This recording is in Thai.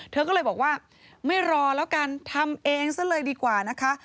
เธอก็เลยบอกว่าไม่รอแล้วกันทำเองซะเลยดีกว่านะคะ